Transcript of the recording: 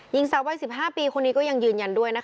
หญิงสาววัย๑๕ปีคนนี้ก็ยังยืนยันด้วยนะคะ